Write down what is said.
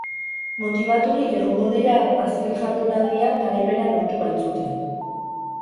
Motibaturik egongo dira azken jardunaldian garaipena lortu baitzuten.